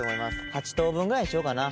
８等分ぐらいにしようかな。